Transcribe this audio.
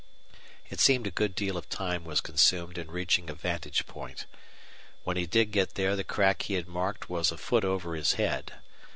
It seemed a good deal of time was consumed in reaching a vantage point. When he did get there the crack he had marked was a foot over his head.